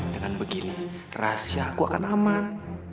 dengan begini rahasia aku akan aman